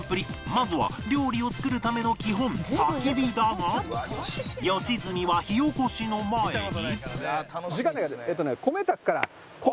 まずは料理を作るための基本焚き火だが良純は火おこしの前に